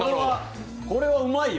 これはうまいよ。